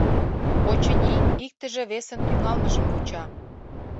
Очыни, иктыже весын тӱҥалмыжым вуча.